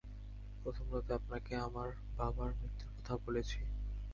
প্রথম রাতে আপনাকে আমার বাবার মৃত্যুর কথা বলেছি।